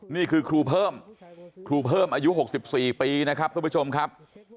นี่คือครูเพิ่มครูเพิ่มอายุ๖๔ปีนะครับทุกผู้ชมครับ